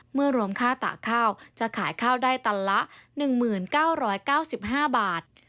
รวมค่าตากข้าวจะขายข้าวได้ตันละ๑๙๙๕บาท